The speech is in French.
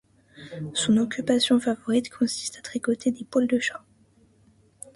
Son occupation favorite consiste à tricoter des poils de chat.